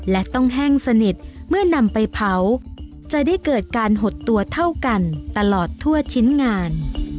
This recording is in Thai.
และต้องแห้งสนิทเมื่อนำไปเผาจะได้เกิดการหดตัวเท่ากันตลอดทั่วชิ้นงาน